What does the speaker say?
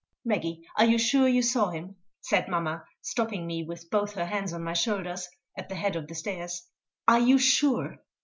"Maggie, are you sure you saw him?" said mamma, stopping me, with both her hands on my shoulders, at the head of the stairs "are you sure?"